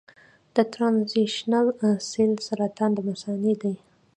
د ټرانزیشنل سیل سرطان د مثانې دی.